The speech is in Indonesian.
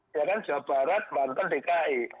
ya kan jawa barat banten dki